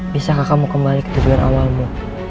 bisakah kamu kembali ke tujuan awalmu